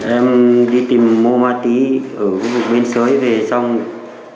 em đi tìm mua ma túy ở bên xới về xong